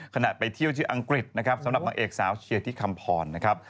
ขณะไปเที่ยวที่อังกฤษนะครับสำหรับนางเอกสาวเชียร์ที่คำพรนะครับ